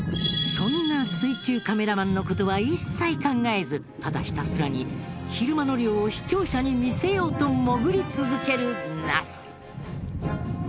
そんな水中カメラマンの事は一切考えずただひたすらに昼間の漁を視聴者に見せようと潜り続けるナス。